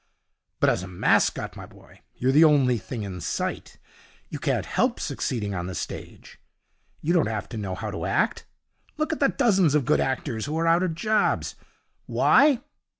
But as a mascot my boy, you're the only thing in sight. You can't help succeeding on the stage. You don't have to know how to act. Look at the dozens of good actors who are out of jobs. Why?